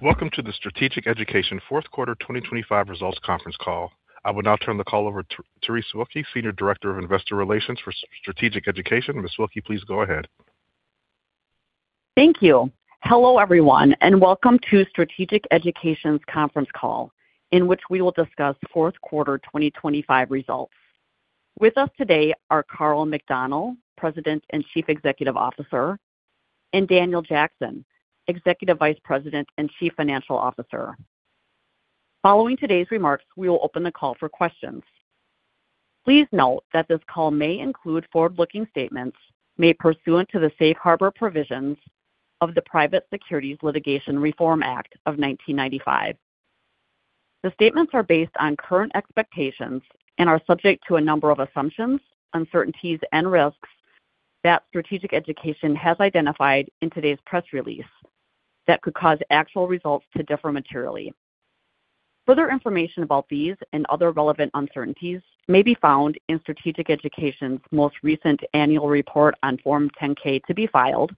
Welcome to the Strategic Education Fourth Quarter 2025 Results Conference Call. I will now turn the call over to Terese Wilke, Senior Director of Investor Relations for Strategic Education. Ms. Wilke, please go ahead. Thank you. Hello, everyone, welcome to Strategic Education's conference call, in which we will discuss fourth quarter 2025 results. With us today are Karl McDonnell, President and Chief Executive Officer, and Daniel Jackson, Executive Vice President and Chief Financial Officer. Following today's remarks, we will open the call for questions. Please note that this call may include forward-looking statements made pursuant to the safe harbor provisions of the Private Securities Litigation Reform Act of 1995. The statements are based on current expectations and are subject to a number of assumptions, uncertainties, and risks that Strategic Education has identified in today's press release that could cause actual results to differ materially. Further information about these and other relevant uncertainties may be found in Strategic Education's most recent annual report on Form 10-K to be filed,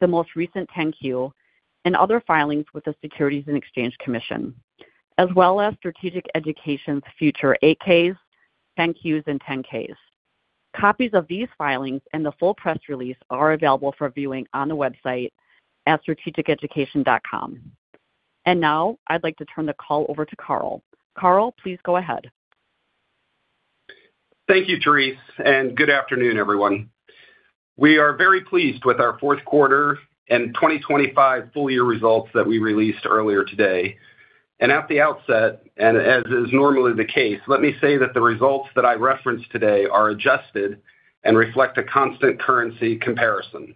the most recent 10-Q, and other filings with the Securities and Exchange Commission, as well as Strategic Education's future 8-Ks, 10-Qs, and 10-Ks. Copies of these filings and the full press release are available for viewing on the website at strategiceducation.com. Now I'd like to turn the call over to Karl. Karl, please go ahead. Thank you, Terese, good afternoon, everyone. We are very pleased with our fourth quarter and 2025 full year results that we released earlier today. At the outset, as is normally the case, let me say that the results that I reference today are adjusted and reflect a constant currency comparison.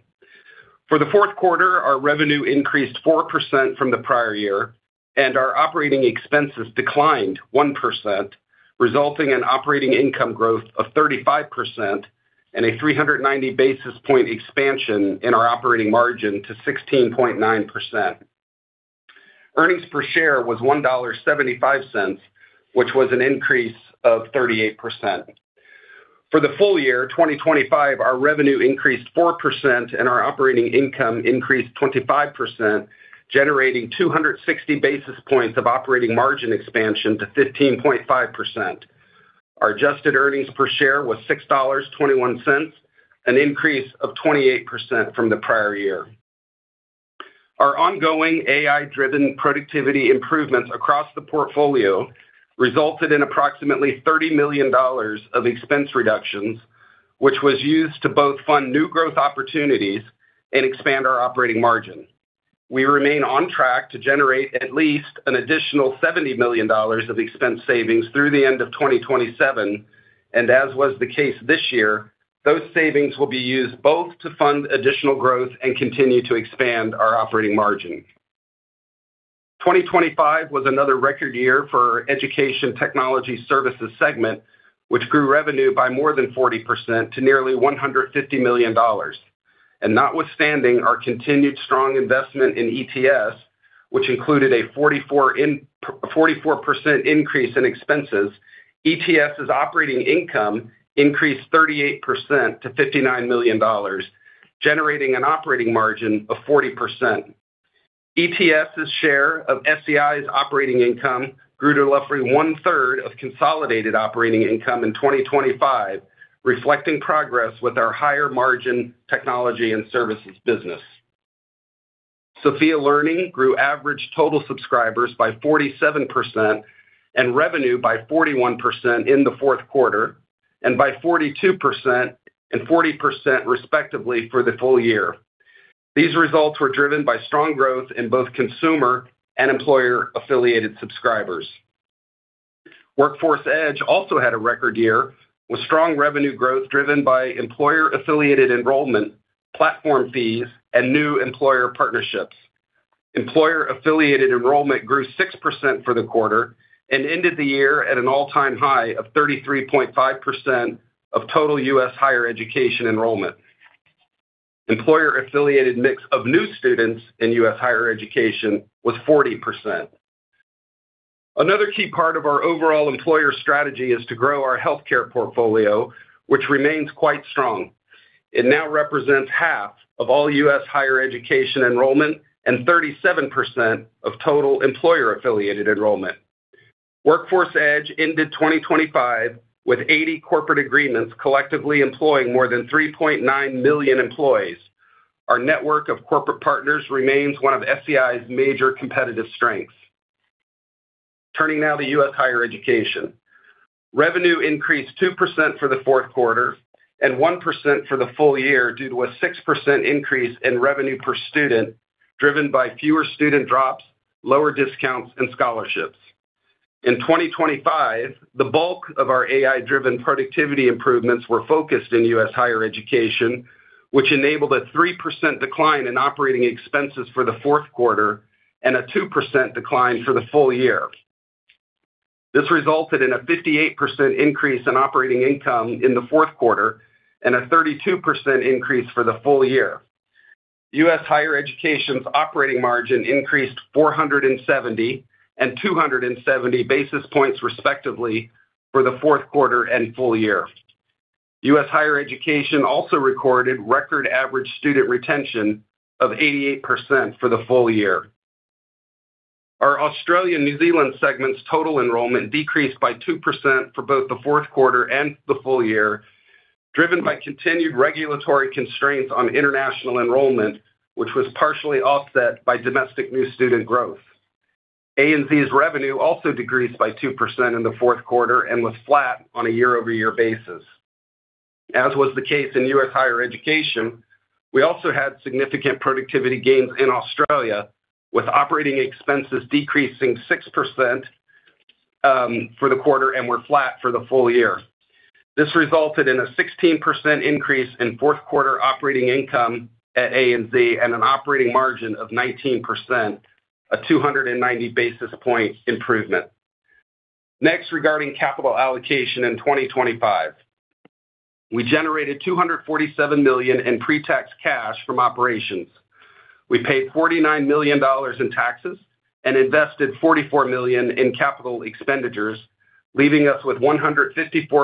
For the fourth quarter, our revenue increased 4% from the prior year, and our operating expenses declined 1%, resulting in operating income growth of 35% and a 390 basis point expansion in our operating margin to 16.9%. Earnings per share was $1.75, which was an increase of 38%. For the full year 2025, our revenue increased 4% and our operating income increased 25%, generating 260 basis points of operating margin expansion to 15.5%. Our adjusted earnings per share was $6.21, an increase of 28% from the prior year. Our ongoing AI-driven productivity improvements across the portfolio resulted in approximately $30 million of expense reductions, which was used to both fund new growth opportunities and expand our operating margin. We remain on track to generate at least an additional $70 million of expense savings through the end of 2027, and as was the case this year, those savings will be used both to fund additional growth and continue to expand our operating margin. 2025 was another record year for our Education Technology Services segment, which grew revenue by more than 40% to nearly $150 million. Notwithstanding our continued strong investment in ETS, which included a 44% increase in expenses, ETS's operating income increased 38% to $59 million, generating an operating margin of 40%. ETS's share of SEI's operating income grew to roughly one-third of consolidated operating income in 2025, reflecting progress with our higher margin technology and services business. Sophia Learning grew average total subscribers by 47% and revenue by 41% in the fourth quarter, and by 42% and 40% respectively for the full year. These results were driven by strong growth in both consumer and employer-affiliated subscribers. Workforce Edge also had a record year with strong revenue growth driven by employer-affiliated enrollment, platform fees, and new employer partnerships. Employer-affiliated enrollment grew 6% for the quarter and ended the year at an all-time high of 33.5% of total U.S. Higher Education enrollment. Employer-affiliated mix of new students in U.S. Higher Education was 40%. Another key part of our overall employer strategy is to grow our healthcare portfolio, which remains quite strong. It now represents half of all U.S. Higher Education enrollment and 37% of total employer-affiliated enrollment. Workforce Edge ended 2025 with 80 corporate agreements, collectively employing more than 3.9 million employees. Our network of corporate partners remains one of SEI's major competitive strengths. Turning now to U.S. Higher Education. Revenue increased 2% for the fourth quarter and 1% for the full year due to a 6% increase in revenue per student, driven by fewer student drops, lower discounts, and scholarships. In 2025, the bulk of our AI-driven productivity improvements were focused in U.S. Higher Education, which enabled a 3% decline in operating expenses for the fourth quarter and a 2% decline for the full year. This resulted in a 58% increase in operating income in the fourth quarter and a 32% increase for the full year. U.S. Higher Education's operating margin increased 470 and 270 basis points, respectively, for the fourth quarter and full year. U.S. Higher Education also recorded record average student retention of 88% for the full year. Our Australia/New Zealand segment's total enrollment decreased by 2% for both the fourth quarter and the full year, driven by continued regulatory constraints on international enrollment, which was partially offset by domestic new student growth. ANZ's revenue also decreased by 2% in the fourth quarter and was flat on a year-over-year basis. As was the case in U.S. Higher Education, we also had significant productivity gains in Australia, with operating expenses decreasing 6% for the quarter and were flat for the full year. This resulted in a 16% increase in fourth quarter operating income at ANZ and an operating margin of 19%, a 290 basis point improvement. Next, regarding capital allocation in 2025. We generated $247 million in pre-tax cash from operations. We paid $49 million in taxes and invested $44 million in capital expenditures, leaving us with $154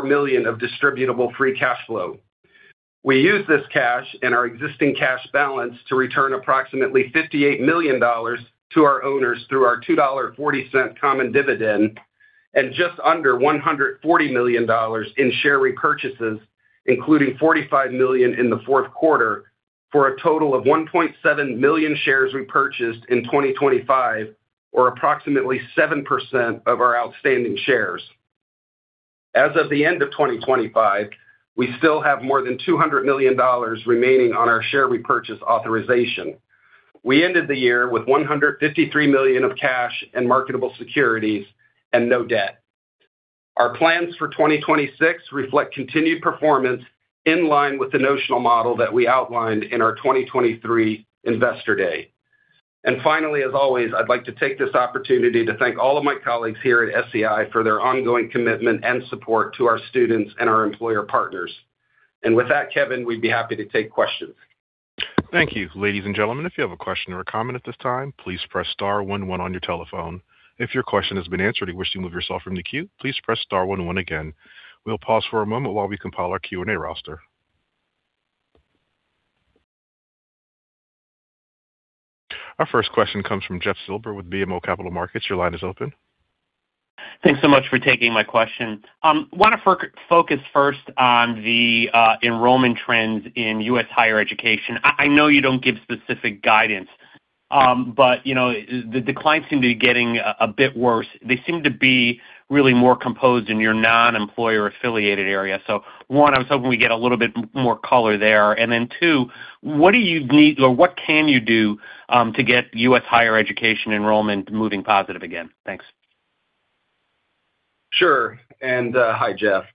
million of distributable free cash flow. We used this cash and our existing cash balance to return approximately $58 million to our owners through our $2.40 common dividend and just under $140 million in share repurchases, including $45 million in the fourth quarter, for a total of 1.7 million shares repurchased in 2025, or approximately 7% of our outstanding shares. As of the end of 2025, we still have more than $200 million remaining on our share repurchase authorization. We ended the year with $153 million of cash and marketable securities and no debt. Our plans for 2026 reflect continued performance in line with the notional model that we outlined in our 2023 Investor Day. Finally, as always, I'd like to take this opportunity to thank all of my colleagues here at SEI for their ongoing commitment and support to our students and our employer partners. With that, Kevin, we'd be happy to take questions. Thank you. Ladies and gentlemen, if you have a question or a comment at this time, please press star one one on your telephone. If your question has been answered and you wish to move yourself from the queue, please press star one one again. We'll pause for a moment while we compile our Q&A roster. Our first question comes from Jeff Silber with BMO Capital Markets. Your line is open. Thanks so much for taking my question. want to focus first on the enrollment trends in U.S. Higher Education. I know you don't give specific guidance, but, you know, the declines seem to be getting a bit worse. They seem to be really more composed in your non-employer affiliated area. One, I was hoping we'd get a little bit more color there. Two, what do you need or what can you do to get U.S. Higher Education enrollment moving positive again? Thanks. Sure. Hi, Jeff.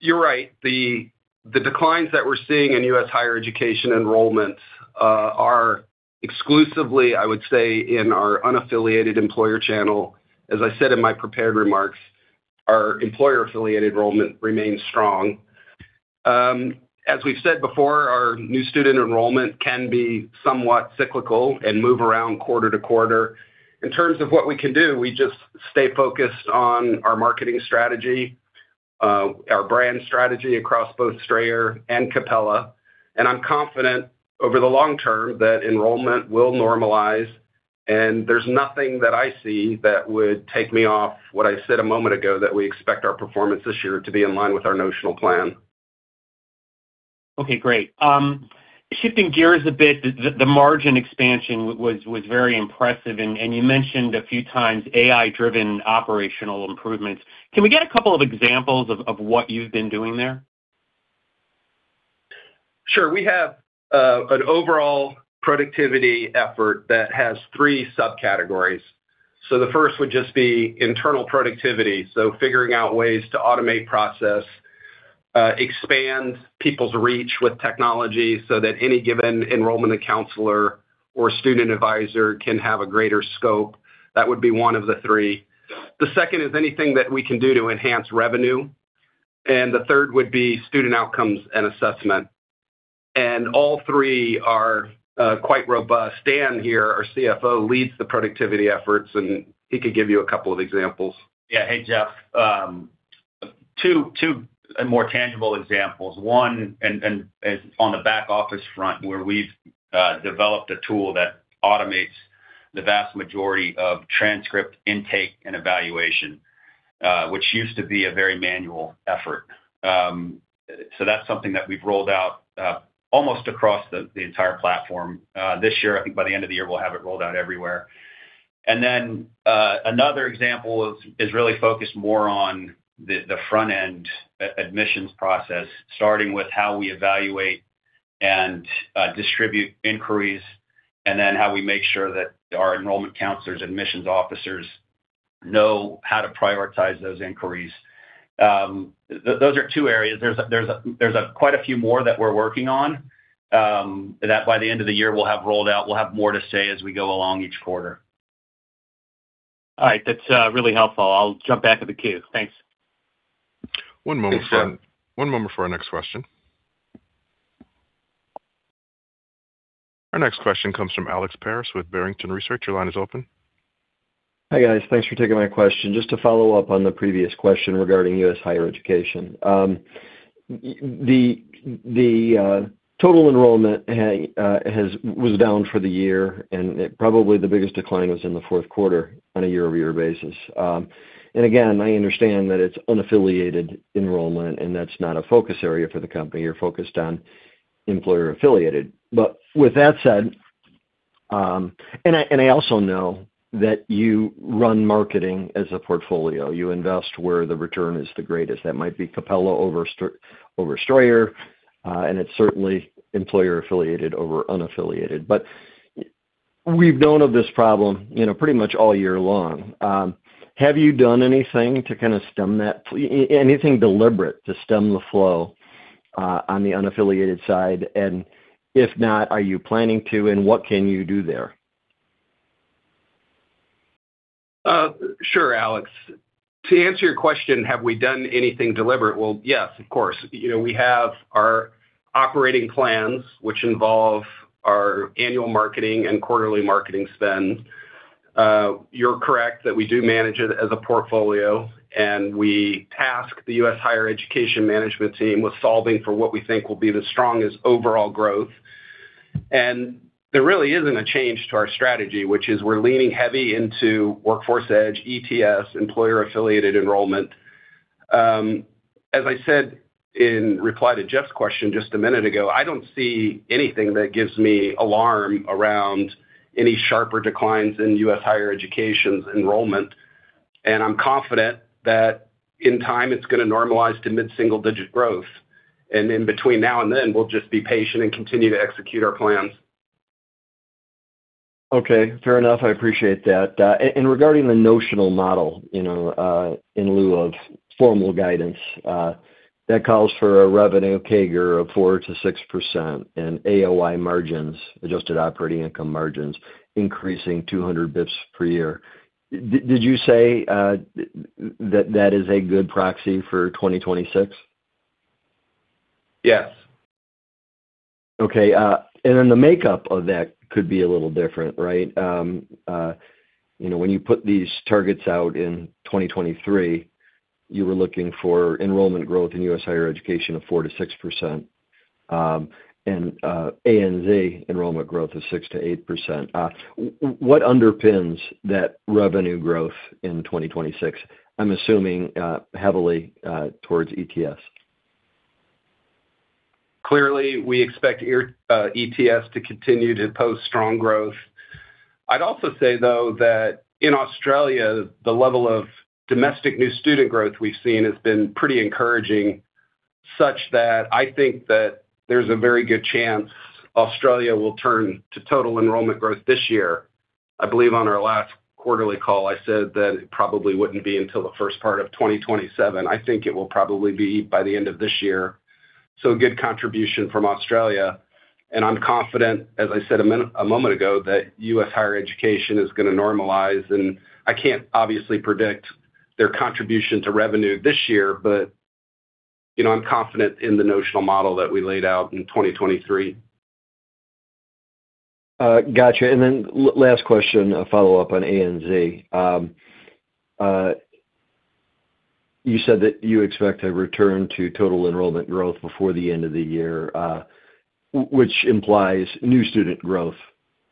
You're right. The, the declines that we're seeing in U.S. Higher Education enrollments are exclusively, I would say, in our unaffiliated employer channel. As I said in my prepared remarks, our employer-affiliated enrollment remains strong. As we've said before, our new student enrollment can be somewhat cyclical and move around quarter to quarter. In terms of what we can do, we just stay focused on our marketing strategy, our brand strategy across both Strayer and Capella. I'm confident over the long term that enrollment will normalize, and there's nothing that I see that would take me off what I said a moment ago that we expect our performance this year to be in line with our notional plan. Okay, great. Shifting gears a bit, the margin expansion was very impressive, and you mentioned a few times AI-driven operational improvements. Can we get a couple of examples of what you've been doing there? Sure. We have an overall productivity effort that has three subcategories. The first would just be internal productivity, so figuring out ways to automate process, expand people's reach with technology so that any given enrollment counselor or student advisor can have a greater scope. That would be one of the three. The second is anything that we can do to enhance revenue, and the third would be student outcomes and assessment. All three are quite robust. Dan here, our CFO, leads the productivity efforts, and he could give you a couple of examples. Hey, Jeff. two more tangible examples. One, on the back-office front, where we've developed a tool that automates the vast majority of transcript intake and evaluation, which used to be a very manual effort. That's something that we've rolled out almost across the entire platform this year. I think by the end of the year, we'll have it rolled out everywhere. Then another example is really focused more on the front-end admissions process, starting with how we evaluate and distribute inquiries and then how we make sure that our enrollment counselors, admissions officers know how to prioritize those inquiries. Those are two areas. There's quite a few more that we're working on that by the end of the year, we'll have rolled out. We'll have more to say as we go along each quarter. All right. That's really helpful. I'll jump back to the queue. Thanks. One moment for our next question. Our next question comes from Alex Paris with Barrington Research. Your line is open. Hi, guys. Thanks for taking my question. Just to follow up on the previous question regarding U.S. Higher Education. The total enrollment was down for the year, and it probably the biggest decline was in the fourth quarter on a year-over-year basis. Again, I understand that it's unaffiliated enrollment, and that's not a focus area for the company. You're focused on employer-affiliated. With that said, I also know that you run marketing as a portfolio. You invest where the return is the greatest. That might be Capella over Strayer, and it's certainly employer-affiliated over unaffiliated. We've known of this problem, you know, pretty much all year long. Have you done anything to kinda stem that anything deliberate to stem the flow on the unaffiliated side? If not, are you planning to, and what can you do there? Sure, Alex. To answer your question, have we done anything deliberate? Well, yes, of course. You know, we have our operating plans, which involve our annual marketing and quarterly marketing spend. You're correct that we do manage it as a portfolio, and we task the U.S. Higher Education management team with solving for what we think will be the strongest overall growth. There really isn't a change to our strategy, which is we're leaning heavy into Workforce Edge, ETS, employer-affiliated enrollment. As I said in reply to Jeff's question just a minute ago, I don't see anything that gives me alarm around any sharper declines in U.S. Higher Education enrollment. I'm confident that in time it's gonna normalize to mid-single digit growth. In between now and then, we'll just be patient and continue to execute our plans. Okay, fair enough. I appreciate that. Regarding the notional model, you know, in lieu of formal guidance, that calls for a revenue CAGR of 4%-6% and AOI margins, adjusted operating income margins, increasing 200 basis points per year. Did you say that that is a good proxy for 2026? Yes. Okay, and then the makeup of that could be a little different, right? You know, when you put these targets out in 2023, you were looking for enrollment growth in U.S. Higher Education of 4%-6%, and ANZ enrollment growth of 6%-8%. What underpins that revenue growth in 2026? I'm assuming, heavily, towards ETS. Clearly, we expect ETS to continue to post strong growth. I'd also say, though, that in Australia, the level of domestic new student growth we've seen has been pretty encouraging, such that I think that there's a very good chance Australia will turn to total enrollment growth this year. I believe on our last quarterly call, I said that it probably wouldn't be until the first part of 2027. I think it will probably be by the end of this year. A good contribution from Australia. I'm confident, as I said a moment ago, that U.S. Higher Education is gonna normalize. I can't obviously predict their contribution to revenue this year, but, you know, I'm confident in the notional model that we laid out in 2023. Gotcha. Last question, a follow-up on ANZ. You said that you expect a return to total enrollment growth before the end of the year, which implies new student growth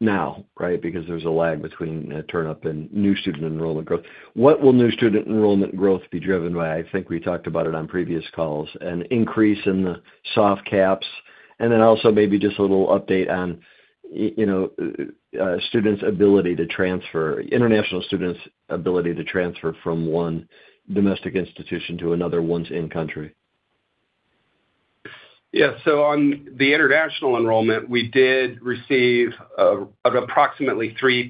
now, right? Because there's a lag between turn-up and new student enrollment growth. What will new student enrollment growth be driven by? I think we talked about it on previous calls, an increase in the soft caps, and then also maybe just a little update on, you know, international students' ability to transfer from one domestic institution to another once in country. On the international enrollment, we did receive an approximately 3%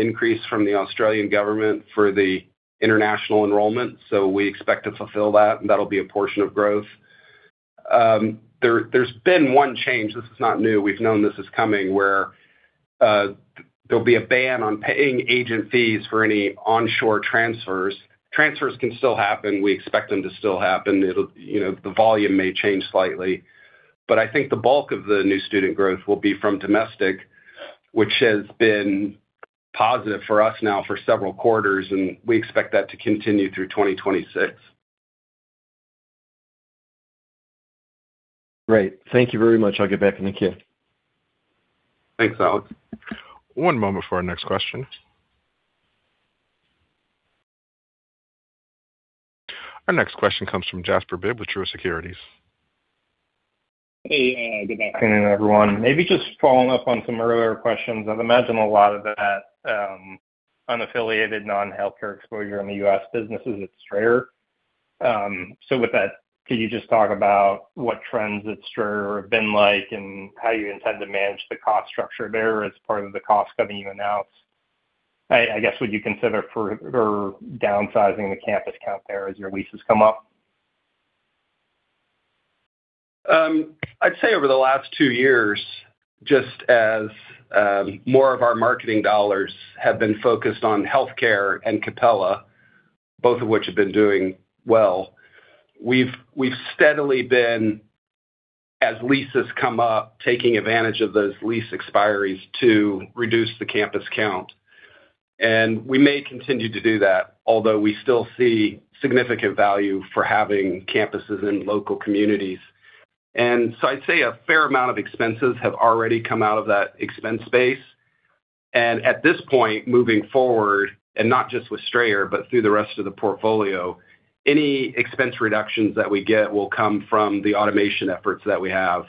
increase from the Australian government for the international enrollment, so we expect to fulfill that, and that'll be a portion of growth. There, there's been one change, this is not new, we've known this is coming, where there'll be a ban on paying agent fees for any onshore transfers. Transfers can still happen. We expect them to still happen. It'll, you know, the volume may change slightly. I think the bulk of the new student growth will be from domestic, which has been positive for us now for several quarters, and we expect that to continue through 2026. Great. Thank you very much. I'll get back in the queue. Thanks, Alex. One moment for our next question. Our next question comes from Jasper Bibb with Truist Securities. Hey, good afternoon, everyone. Maybe just following up on some earlier questions. I'd imagine a lot of that unaffiliated non-healthcare exposure in the U.S. business is at Strayer. With that, could you just talk about what trends at Strayer have been like and how you intend to manage the cost structure there as part of the cost cutting you announced? I guess, would you consider downsizing the campus count there as your leases come up? I'd say over the last two years, just as more of our marketing dollars have been focused on healthcare and Capella. Both of which have been doing well. We've steadily been, as leases come up, taking advantage of those lease expiries to reduce the campus count, and we may continue to do that, although we still see significant value for having campuses in local communities. I'd say a fair amount of expenses have already come out of that expense base. At this point, moving forward, and not just with Strayer, but through the rest of the portfolio, any expense reductions that we get will come from the automation efforts that we have.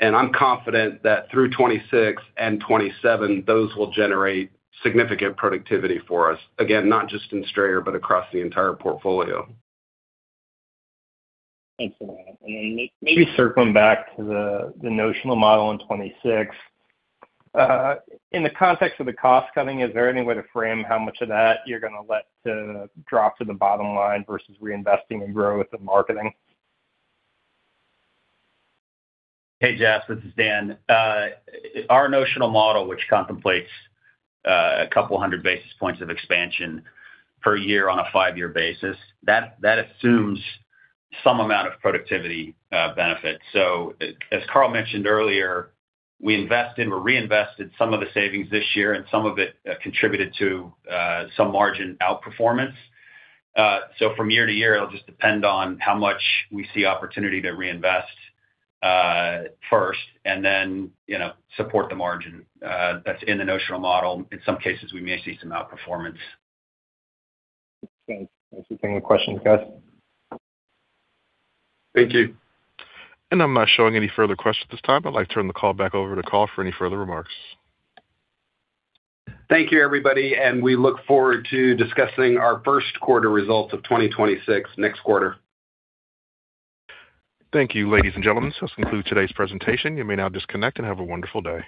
I'm confident that through 2026 and 2027, those will generate significant productivity for us, again, not just in Strayer, but across the entire portfolio. Thanks a lot. Maybe circling back to the notional model in 2026, in the context of the cost cutting, is there any way to frame how much of that you're gonna let drop to the bottom line versus reinvesting in growth and marketing? Hey, Jeff, this is Dan. Our notional model, which contemplates 200 basis points of expansion per year on a five-year basis, that assumes some amount of productivity benefit. As Karl mentioned earlier, we invested, we reinvested some of the savings this year, and some of it contributed to some margin outperformance. From year-to-year, it'll just depend on how much we see opportunity to reinvest first and then, you know, support the margin that's in the notional model. In some cases, we may see some outperformance. Thanks for answering the questions guys. Thank you. I'm not showing any further questions at this time. I'd like to turn the call back over to Karl for any further remarks. Thank you, everybody, and we look forward to discussing our first quarter results of 2026 next quarter. Thank you, ladies and gentlemen. This concludes today's presentation. You may now disconnect and have a wonderful day.